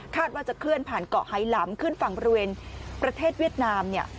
ว่าจะเคลื่อนผ่านเกาะไฮลำขึ้นฝั่งบริเวณประเทศเวียดนามเนี่ย